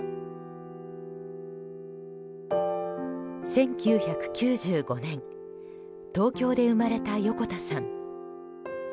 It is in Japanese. １９９５年東京で生まれた横田さん。